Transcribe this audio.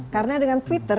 karena dengan twitter